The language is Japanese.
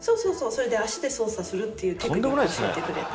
それで足で操作するっていうテクニックを教えてくれた。